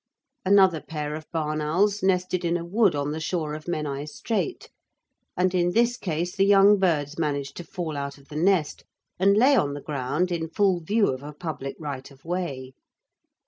Another pair of barn owls nested in a wood on the shore of Menai Strait, and in this case the young birds managed to fall out of the nest, and lay on the ground in full view of a public right of way.